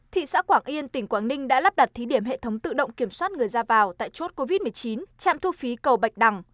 thị xã quảng yên tỉnh quảng ninh đã lắp đặt thí điểm hệ thống tự động kiểm soát người ra vào tại chốt covid một mươi chín trạm thu phí cầu bạch đằng